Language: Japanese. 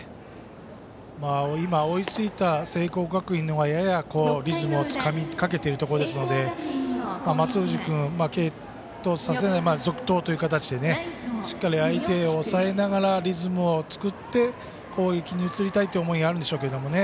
今、追いついた聖光学院のほうがややリズムをつかみかけているところですので松藤君、続投という形でしっかりと相手を抑えながらリズムを作って攻撃に移りたいという思いがあるんでしょうけれどもね。